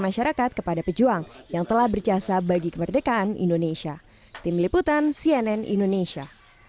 masyarakat kepada pejuang yang telah berjasa bagi kemerdekaan indonesia tim liputan cnn indonesia